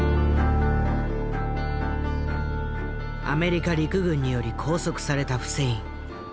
アメリカ陸軍により拘束されたフセイン。